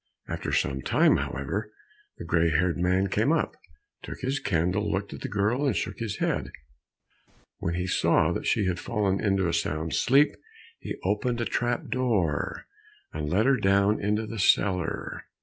After some time, however, the gray haired man came, took his candle, looked at the girl and shook his head. When he saw that she had fallen into a sound sleep, he opened a trap door, and let her down into the cellar.